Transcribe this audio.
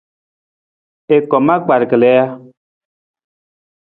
I kom akpar kali ja?